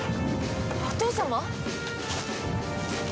お父様？